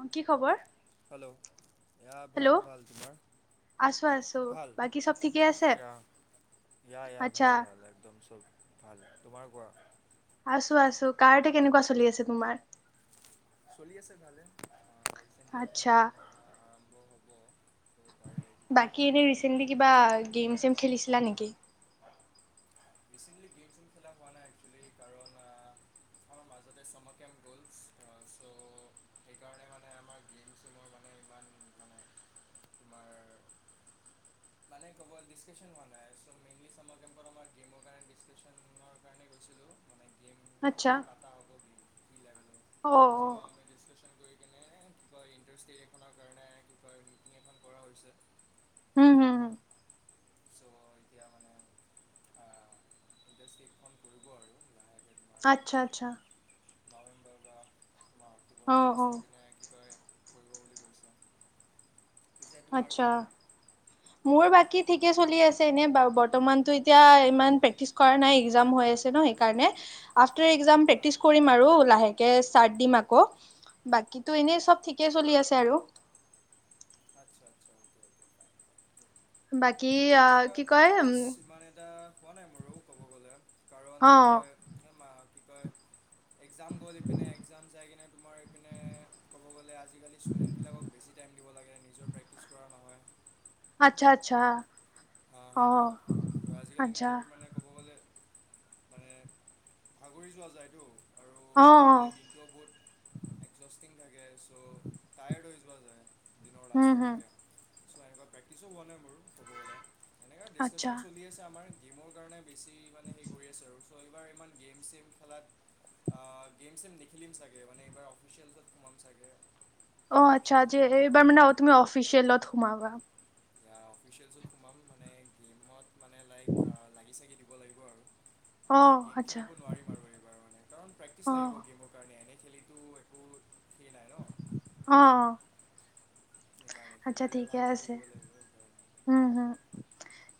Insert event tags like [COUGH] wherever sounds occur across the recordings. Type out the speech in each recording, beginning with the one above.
অ কি খবৰ হেল্ল' ই ভাল হেল্ল' ভাল তোমাৰ আছো আছো ভাল বাকী চব ঠিকে আছে ইয়া ইয়া আচ্ছা ভাল ভাল একদম চব ভাল তোমাৰ কোৱা আছো আছো কাৰতে কেনেকুৱা চলি আছে তোমাৰ চলি আছে ভালে ৰিচেণ্টলি এখন আচ্ছা গেম আৰম্ভ হ'ব ত' তাৰে কি কয় বাকী এনে এনাউন্সমেণ্ট ৰিচেন্টলি কিবা ডেট। গেম চেম খেলিছিলা নেকি? ৰিচেণ্টল গেম খেলা হোৱা নাই একচেলি কাৰণ আমাৰ মাজতে চমকেম গল চ' সেইকাৰণে মানে আমাৰ গেম চ মোৰ মানে ইমান মানে তোমাৰ মানে ক'বিচন হোৱা নাইেইনল গ কাৰিনৰ কাৰণে গৈছিলো মানে [INAUDIBLE] গেম আচ্ছা কি পাতা হ'ব গেম [INAUDIBLE] অ অ। চ' আমি ডিছকাশ্যন কৰি কেনে কি কই ইণ্টাৰ ষ্টেট এখনৰ কাৰণে কিবা মিটিং এখন কৰা হৈছে। উম হম হম। চ' এতিয়া মানে আহ ইন্টাৰষ্টেড খন কৰিব আৰু লাহেকে আচ্ছা আচ্ছা। নৱেম্বৰ বা তোমাৰ অ অক্টোবৰৰ অ লাষ্টৰ পিনে কি কয় কৰিব বুলি কৈছে। আত্ছা, মোৰ বাকী ঠিকে চলি আছে এনে বাৰু বৰ্তমানতো এতিয়া ইমান প্ৰেক্টিচ কৰা নাই একজাম হৈ আছে ন সেইকাৰণে। আফটাৰ এক্জাম হা প্ৰেকটিচ কৰিম আৰু লাহেকে চাৰ্ট দিম আকৌ বাকীটো এনে চব ঠিকে চলি আছে আৰু। আচ্ছা আচ্ছা অকে অকে ফাইন। বাকী মোৰো আহ কি কয় উম পোৱা নাই মোৰো ক'ব গ'লে কাৰণ অ। কি কয় এই মা কি কয় এক্জাম গ'ল ইপিনে এক্জাম চাই কিনে তোমাৰ পিনে ক'ব গ'লে আজিকালি ষ্টুডেণ্টবিলাকক বেছি টাইম দিব লাগে নিজৰ প্ৰেক্টিছ কৰা নহয়। আচ্ছা আচ্ছা। অ অ সেইটোৱে আজিকালি আচ্ছা নিজৰ মানে ক'ব গ'লে মানে ভাগৰি যোৱা যায়তো। আৰু অহ ক'ব গ'লে অহ। ই ছ' হৈ যোৱা যায়। দিনৰ হম লাষ্টৰ হম লৈকে। চ' [UNINTELLIGIBLE] প্ৰেক্টিছো হোৱা নাই বাৰু কব গ'লে। সনেকা আচ্ছা ডিচকাচন চলি আছে আমাৰ জিমৰ কাৰণে বেছি মানে হেৰি কৰি আছে আৰু। ত' এইবাৰ ইমান গেম চেম খেলাত, অ গেম চেম নেখেলিম চাগে মানে এইবাৰ অফিচিয়েল্ছত সোমাম চাগে। অ আচ্ছা অফিচিয়েলছত যে সোমাম এইবাৰ আৰু ন তুমি অফিচিয়েলত সুমাবা? য়া অফিচিয়েল্ছত সোমাম মানে গেমত মানে লাইক লাগি চাগি দিব লাগিব আৰু। অ এনেকে গেম আচ্ছা খেলিব নোৱাৰিম আৰু এইবাৰ মানে কাৰণ প্ৰেক্টিচ অ লাগিব গেমৰ কাৰণে এনে খেলিতো একো খ অ অ। সেইকাৰণে আচ্ছা খেলিলে ঠিকে ভালকৈ আছে, খেলিব লাগিব সেইকাৰণে উম হম।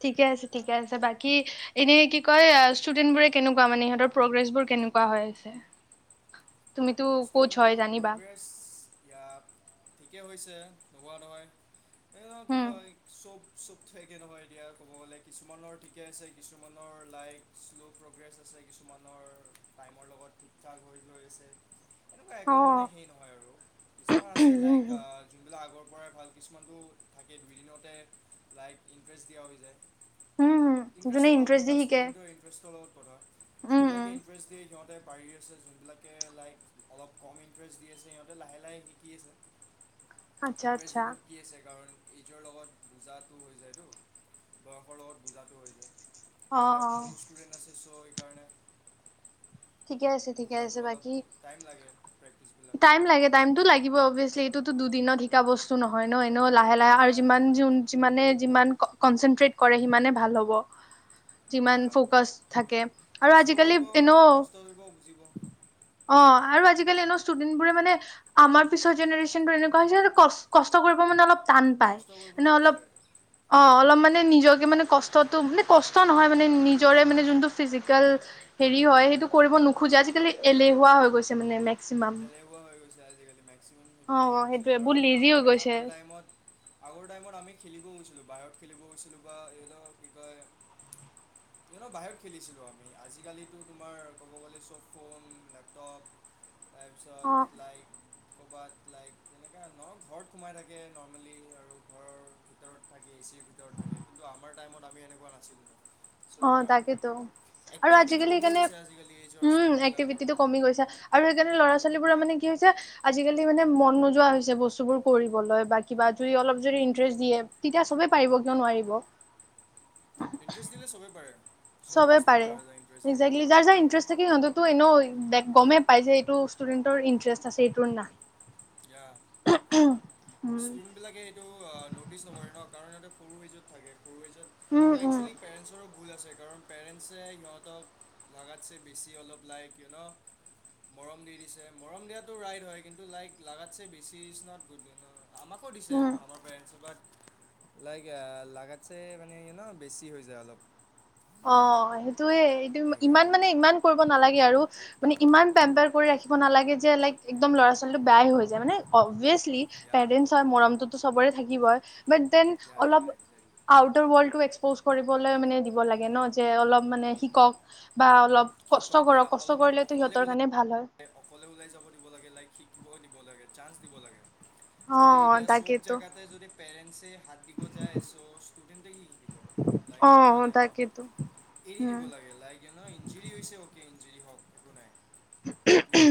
ঠিকে আছে এতিয়া ঠিকে আছে। বাকী এনে কি কয় ষ্টুডেন্ট বোৰে কেনেকুৱা মানে ইহঁতৰ প্ৰগ্ৰেছ বোৰ কেনেকুৱা হৈ আছে? তুমিতো কচ ষ্টুডেণ্ট হয় গ জানিবা প্ৰগ্ৰেছ য়া। হৈছে নোহোৱা নহয়। এই ধ কি উম হয় চব। চব থোৱাকৈ নহয় এতিয়া ক'ব গ'লে কিছুমানৰ ঠিকে আছে কিছুমানৰ লাইক শ্ল' প্ৰগ্ৰেছ আছে কিছুমানৰ টাইমৰ লগত ঠিক ঠাক হৈ গৈ আছে। এনেকুৱা অ একো মানে সেই নহয় আৰু কিছুমান আছে লাইক আহ যোনবিলাক আগৰ পৰাই ভাল। কিছুমানটো থাকে দুইদিনতে লাইক ইণ্টাৰেষ্ট দিয়া হৈ যায়। উম হম ইণ্টাৰেষ্ট যোনে লগ ইন্টাৰেষ্ট দি কথা শিকে ষ্টুডেন্টৰ ইণ্টাৰেষ্টৰ লগত কথা উম উম যোনবিলাকে ইণ্টাৰেষ্ট দিয়ে সিহঁতে। পাৰি আছে যোনবিলাকে লাইক। অলপ কম ইণ্টাৰেষ্ট দি আছে সিহঁতে লাহে লাহে শিকি আছে। আচ্ছা ইণ্টাৰেষ্ট আচ্ছা দিব কি আছে কাৰণ। এইজৰ লগত বুজাটো হৈ যায়তো বয়সৰ লগত বুজাটো হৈ যায়। অ তেওঁ অ সৰু ষ্টুডেন্ট আছে চ। সেইকাৰণে। ঠিকে আছে ঠিকে বুজাতো অলপ টাইম লাগে প্ৰেক্টিচ। লিয়া দুিনত শিক বস্তু নহয় ননেে ইয়া লি যিমান কনচেনট্ৰট কৰে সিমানে ভাল হ'ব। যিমান ইয়া ফকাচ সেইটোৱে থাকে আৰু কষ্ট আজিকালি কৰিব এনে কষ্ট কৰিব বুজিব অ আৰু আজিকাল। [UNINTELLIGIBLE] ষ্টুডেণ্ট বোৰে মানে আমাৰ পিছৰ জেনেৰেচন এনেুকোৱা হৈছে কষ্ট কৰিব মানে অলপ। টান পাই কষ্ট কৰিব মানে অলপ নিবিচাৰে অঁ অলপ মান। মে নিজকে মানে কষ্টটো মানে কষ্ট নহয় মানে নিজৰে মানে যোনটো ফিজিকেল হেৰি হয় সেইটো কৰিব নোখোজে আজিকালি এলেহুৱা হৈ গৈছে মানে। মেক্সিমাম। এনেকুৱা হৈ গৈছে আজি। অ সেইবিলাকে হৈছে সেইটোয়ে বহুত কাৰণ লেজি হৈ আগৰ গৈছে। আগৰ টাইমত আগৰ টাইমত আমি খেলিব গৈছিলো। বাহিৰত খেলিব গৈছিলোঁ বা এহক কি কয় এক বাহিৰত খেলিছিলোঁ আমি আজিকালিতো তোমাৰ ক'ব গ'লে চব ফোন লেপটপ। অ তাৰপিছত লাইক। ক'ৰবাত লাইক এনেকৈ ন ঘৰত সোমাই থাকে নৰ্মেলি আৰু ঘৰৰ ভিতৰত থাকে এ চিৰ ভিতৰত থাকে কিন্তু আমাৰ টাইমত আমি এনেকুৱা নাছিলোঁ। চ' অঁ, সেইকাৰণে তাকেইেতো আৰু এক্টিভিটিটো আজিকালি কমি সেইকাৰণে গৈছে আজিকালি এইজৰ উম ষ্টুডেণ্টবিলাকৰ এক্টিভিটিটো কমি গৈছে আৰু। ল'ৰা ছোৱালী বোৰা মানে কি হৈছে আজিকালি মানে মন নোযোৱা হৈছে বস্তুবোৰ কৰিবলৈ বা কিবা যদি অলপ যদি ইন্টাৰেষ্ট দিয়ে তেতিয়া চবে পাৰিব কিয় নোৱাৰিব। ইণ্টাৰেষ্ট দিলে চবেই পাৰে। চব চবে বস্তু পাৰে পৰা যায় ইণ্টাৰেষ্ট দিলে একজেকলি যাৰ যাৰ ইণ্টাৰেষ্ট থাকে সিহঁততো এনেও। দে গমেই পাই যে এইটো ষ্টুডেন্টৰ ইন্টাৰেষ্ট আছে এইটো নাই। উম, ষ্টুডেণ্ট বিলাকে এইটো। ন'টিছ নকৰে ন কাৰণ ইহঁতে সৰু হেইজত থাকে। সৰু এজন উম, আৰু উম, একচুৱেলি পেৰেণ্টছৰো ভুল আছে। কাৰণ পেৰেণ্টছে সিহঁতক লাগাতছে বেছি অলপ লাইক ই ন' মৰম দি দিছে মৰম দিয়াতো ৰাইট হয় কিন্তু লাইক। লাগাতছে বেছিচনা বুধব আমাকো দিছে উম। আমাৰ পেৰেণ্টছ বা লাইক আহ লাগাতছে মানে ন বেছি হৈ যায় অলপ অ সেইটো তয়ে এই ইমান সেইকাৰণে মানে ইমান কৰিব নালাগে, ই আৰু আপুনি ইমান পেমপেৰ কৰি ৰাখিব নালাগে যে একদম লৰা ছোৱালীটো বেয়া এ হয় যায় মানে অবেছলি, য়া পেৰেনছ অৰ মৰমটো তো চবৰে থাকিবই, বাট দেন য়া য়া অলপ একজেক্টলি আউটাৰ ৱৰ্ল্ড এক্সপ'জ কৰিবলৈ মানে লাগে ন যে অলপ মানে শিকক বা অলপ কষ্ট শিকক দিয়া কৰক কষ্ট অলপমান কৰিলেতো অকলে সিহঁতৰ ওলাই কাৰণে ভাল হয়। [UNINTELLIGIBLE] অকলে ওলাই যাব দিব লাগে লাইক শ দিব দিব লাগে চান্স দিব লাগে। যদি এতিয়া অ' চব তাকেইতো। জেগাতে যদি পেৰেন্টছে হাত দিব যায় চ' ষ্টুডেণ্টে কি লাইক অ সেইটো হৈ যায় ন তাকেইতো এৰি দিব উম লাগে লাইক ন ইঞ্জিন [UNINTELLIGIBLE] নিজৰ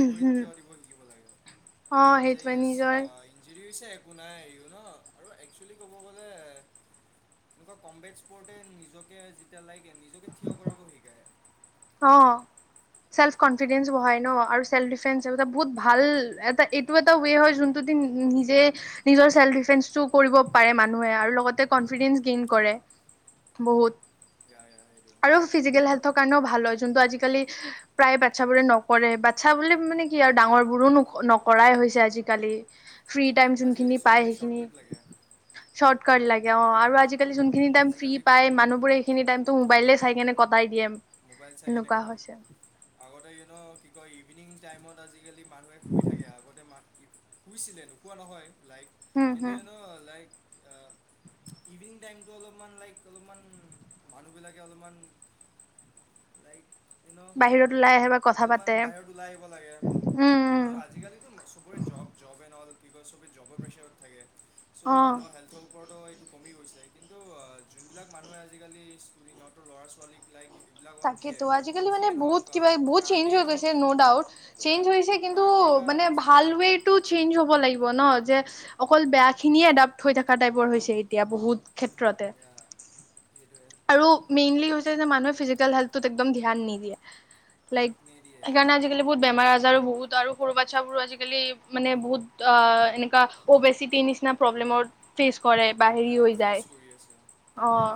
ভৰিত থিয় দিব শিকিব লাগে অ যে সেইটোৱে ইয়েছ নিজৰ ইঞ্জৰি হৈছে নাই ও ন আৰু একচুৱেলি ক'ব গ'লে এনেকুৱা কম্বেক্ স্পৰ্টে নিজকে যেতিয়া লাইক নিজকে থিয় কৰাব শিকায়। অঁ চেল্ফ কনফিডেন্ঞ্চ বঢ়াই ন আৰু চেল্ফ ডিফেণ্ডছ এইবিলাক বহুত ভাল এটা এইটো এটা ৱে হয় যোনটো দ নিজে নিজৰ চেল্ফ ডিফেন্সটো কৰিব পাৰে মানুহে আৰু লগতে কনফিডেন্ঞ্চ গেইন ইয়া কৰে বহুত ইয়া ইয়া সেইটো আৰু ফিজিকেল হেল্থৰ কাৰণেও ভাল। ভাল হয় যোনটো আজিকালি প্ৰায় বাচ্ছাবোৰে নকৰে বাচ্ছা বুলি মানে কি আৰু ডাঙৰ বোৰো নকৰাই হৈছে আজিকালি। ফ্ৰী টাইম আজিকালি যোনখিনি পায় চবকে সেইখিনি শ্বৰ্টকুট লাগে লাগে অ আৰু আজি আজাকালি যোনখিনি টাইম ফ্ৰী আজিকালি পায় কোনো মানুবোৰে সেইখিনি টাইমটো মোবাইলে চাই চাই কেনে কটাই দিয়ে। মোবাইল চাই কেনে সেনেকুৱা কটাই, হৈছে আগতে ইউ ন' কি কয় ইভিনিং টাইমত আজি আজিকালি মানুহে শুই থাকে আগতে মা শুইছিলে নোসোৱা নহয়। লাইক উম কিন্তু হম ইউ ন' লাইক ইভিনিং টাইমটো অলপমান লাইক অলপমান মানুহবিলাকে অলপমান লাইক ন বাহিৰত ওলাই আহে বা কথা অলপমান পাতে বাহিৰত ওলাই আহিব লাগে, উম অ উম আজিকালিটো চব চবৰে জব-জব এণ্ড অল। কি কৰিছ? জবৰ প্ৰেছাৰত থাকে, চ' অ মানুহৰ হেল্থৰ ওপৰতো কমি গৈছে কিন্তু যোনবিলাক মানুহে আজিকালি স্কুল ইহঁতৰ ল'ৰা ছোৱালীক লাইক এইবিলাকত দিয়ে তাকেতো আজিকালি মানে যিয়ে নহওক বহুত কিবা বহুত চেঞ্জ কাৰ্টেই হৈ নহওক গৈছে কিয় ন' ডাউট য়া চেঞ্জ হৈছে কিন্তু কাৰ্টে বা মানে যিয়ে ভাল হওক ৱেটো চেঞ্জ হ'ব লাগিব ন। যে অকল বেয়া খিনিয়ে য়া এডাপ্ট হৈ থকা টাইপৰ হৈছে। এতিয়া বহুত ক্ষেত্ৰতে। য়া সেইটোৱে আৰু মেইনলি হৈছে যে মানুহে ফিজিকেল হেল্থত একদম ধ্যান নিদিয়ে। লাইক নিদিয়ে সেইকাৰণে আজিকালি বহুত বেমাৰ আজ জাৰ বহুত আৰু সৰু বাচ্ছাবোৰো আজিকালি মানে বহুত এনেকুৱা অবেচিটিৰ নিচিনা প্ৰব্লেমৰ ফেচ কৰে। বা হেৰি য়া হৈ ফেচ যায়, কৰি আছে অঁ। য়া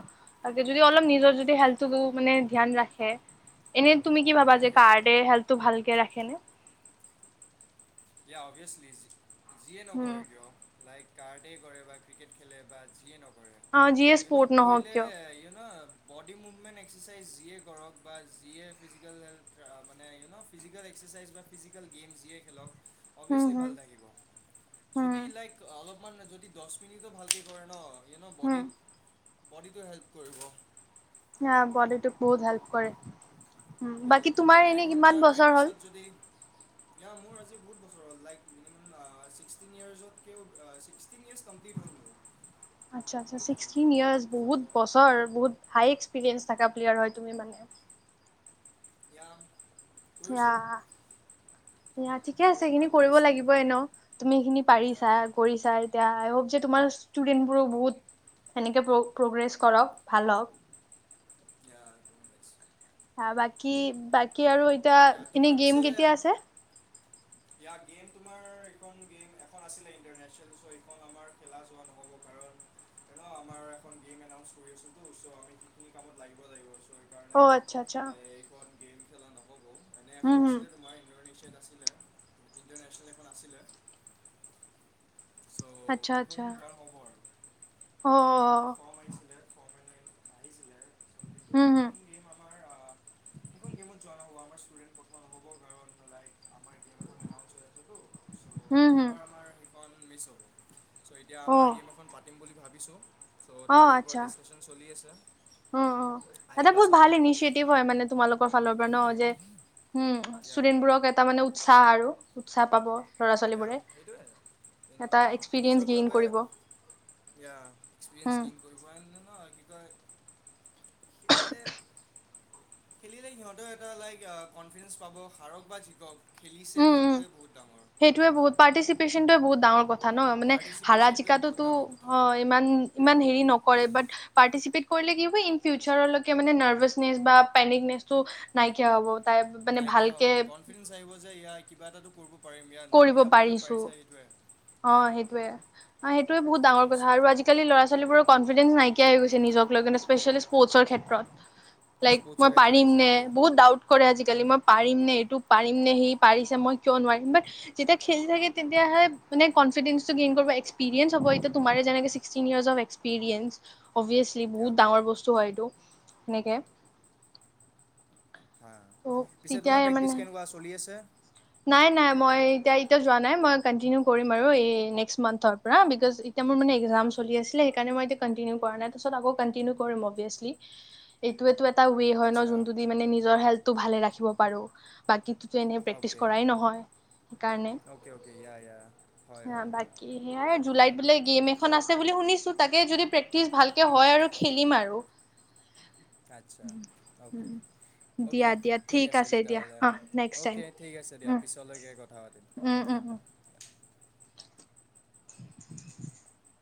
যদি অলপ নিজৰ যদি হেল্থো মানে ধ্যান ৰাখে এনে তুমি কি য়া ভাবা যে সেইটোৱে কাৰ্ডে হেল্থটো ভালকে ৰাখে নে অভিয়ছলিজি যিয়ে উম নকৰে কিয় লাইক কাৰ্ডেই কৰে বা ক্ৰিকেট খেলে বা যিয়ে নকৰে অ যিয়ে ইউ ন স্পৰ্ট নহওক কৰিলে কিয় you know body movement exercise যিয়ে কৰক বা যিয়ে ফিজিকেলেল মানে ইউ ন' ফিজিকেল এক্সাৰচাইজ বা ফিজিকেল গেম যিয়ে খেলক হুম অভিয়াচলি হুম ভাল লাগিব হুম যদি লাইক অলপ তাৰে যদি দহ মিনিটো ভালকৈ কৰে ন ই ন' হুম বৰ্ডীত বডিটো হেল্প কৰিব হাবডী তোক বহুত হেল্প কৰে উ এতিয়া বাকী তোমাৰ ডেৰ এনে ঘণ্টাৰ কিমান বছৰ হ'ল প্ৰেক্টিছত যদি মোৰ আজি বহুত বছৰ হ'ল ল মিম্ হল মোৰ আচছা আচ্ছা এইটো জাৰ্ণি ছিক্সটিন ইয়াৰছ বহুত চ' বছৰ বহুত হাই এক্সপিৰিয়েঞ্চ থকা প্লেয়াৰ হয় তুমি মানে য আহ সেৱা ঠিকে আছে সৰুৰ পৰা সেইখিনি কৰিব কৰিছিলোঁ লাগিব এনেও তুমি সেইখিনি ইয়া পাৰিছা কৰিছা এতিয়া যে তোমাৰ ষ্টুডেন্টবোৰো বহুত সেনেকে প্ৰগ্ৰেছ কৰক ভাল হওক ইয়া বাকী বাকী কৰিব আৰু এতিয়া এনে গেম কেতিয়া আছে ইয়াৰ গেম তোমাৰ এইখন গেম এখন আছিলে ইন্টাৰনেচনেল চ' এইখন আমাৰ খেলা চোৱা নহ'ব কাৰণ ন আমাৰ এখন গেম এনাউচ কৰি আছোতো চ' আমি সখিনি কামত লাগিব লাগিব চ অ সেইকাৰণে আচ্ছা আচ্ছা এ, এইখন গেম খেলা নহ'ব এনে উম এখন হম আছিলে তোমাৰ ইডৰনেছিয়াত আছিল ইন্টাৰনেচনেল আছিলে চ' আচ্ছা সেইখন আচ্ছা বাৰ হব আৰু আমাৰ অ তাতে ফৰ্ম আহিছিলে ফৰ্ম মানে কিন্তু হুম হুম সেইখন গেম আমাৰ আহ সেইখন গেমত জোৱা হব আমাৰ ষ্টুডেণ্ট পঠোৱা নহব কাৰণ হাই আমাৰ গেম এখন এনা হৈ আছিলো চ' হুম হুম এইবাৰ আমাৰ সেইখন মিছ হ'ল চ' এতিয়া অ আমাৰ গেম এখন পাতিম বুলি ভাবিছো চ' তাৰে ওপৰত ডিচকাচন চলি আছে উম উ দাদা আহিবা বহুত চাব ভাল ইনিচিয়েটিভ হয় মানে তোমালোকৰ ফালৰ পৰা ইনভাইট ন কৰিম যে উম ইয়া ষ্টুডেন্টবোৰক এটা মানে উ সাহ আৰু উৎসাহ পাব ল'ৰা ছোৱালীবোৰে সেইটোয়ে এটা এক্সপিৰিয়েঞ্চ নিজৰ গেইন ক্লাবে কৰিব এক্সপিৰিয়েঞ্চ উম গেইন কৰিব আ ন খেলিলে খেলিলে সিহঁতেও এটা লাইক কনফিডেন্ঞ্চ পাব হাৰক বা জিকক খেলিছে উম উম সেইটোৱে বহুত ডাঙৰ সেইটোৱে বহুত পাৰ্টিচিপেনটোৱে বহুত ডাঙৰ কথা ন মানে হৰা পাৰ্টিচিপেশ্যনটোৱে বহুত জিকাটোতো ডাঙৰ কথা ইয়া ইমান হেৰি নকৰে বাত পাৰ্টিচিপেট কি ইন ফিউচাৰকে মানে নাৰ্ভাচনেচ বা পেনিকনেচটো নাইকিয়া হ'ব তাই মানে নাইকিয়া হ'ব ভালকে কনফিডেঞ্চ আহিব যে ইয়াৰ কিবা এটাতো কৰিব পাৰিম ইয়াত নামি কৰিব যাব যে পাৰিছো পাৰিছে এইটোৱে অ সেইটোৱে অ সেইটোৱে বহুত এইটো ডাঙৰ কথা বস্তু আৰু আজিকালি ল'ৰাছোৱালীবোৰৰ কন ফিলিঙচ নাইকিয়াই হৈ গৈছে নিজক লৈ কিনে ইস্পেচিয়েলি স্পৰ্টছৰ ক্ষেত্ৰত লাইক স্পৰ্টছৰ মই ক্ষেত্ৰত পাৰিম নে একজেক্টলি বহুত ডাউট কৰে আজি আজিকালি মই পাৰিম নে এইটো পাৰিম নে সি পাৰিছে মই কিয় নোৱাৰিম বা যেতিয়া খেলি থাকে তেতিয়াহে মানে কনফিডেন্সটো গেইন কৰিব এক্সপিৰিয়েঞ্চ হব তোমাৰ যেনেকে sixteen year of experience obviously ইয়াত বহুত ডাঙৰ বস্তু হয় এইটো এনেকে হ পিছে তোমাৰ প্ৰেক্টিচ কেনেকোৱা চলি আছে নাই নাই মই এতিয়া এতিয়া যোৱা নাই মই কণ্টিনিউ কৰিম বাৰু এ নেক্সট মনথৰ পৰা বিকৌজ এতিয়া মোৰ একজাম চলি আছিলে সেইকাৰণে মই এতিয়া কণ্টিনিউ কৰা নাই পিছত আকৌ কণ্টিনিউ কৰিম অভিয়েচলি এইটোৱে তো এ টা ৱে হয় ন আচ্ছা যোনটো দি মানে নিজৰ হেল্থটো ভালে ৰা খিব পাৰো বাকীতোটো এনে প্ৰেক্টিছ অ'কে কৰাই নহয় সেই কাৰণে অ'কে অ'কে ইয়া ইয়া হয় আ হয় ইয়া বাকী সেয়াই ইয়া জুলাইত বোলে গেইম এখন আছে বুলি শুনিছো তাকে যদি প্ৰেক্টিচ ভালকে হয় আৰু খেলিম আৰু আচ্ছা উম অ'কে দিয়া দিয়া ঠিক আছে দিয়া অ নেক্স টাইম পিছে দিয়া উম পিছলেকে কথা পাতিম উম অকে উম থ [UNINTELLIGIBLE]